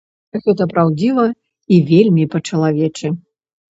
Гэта праўдзіва і вельмі па-чалавечы.